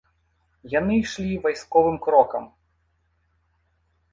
Яны ішлі вайсковым крокам.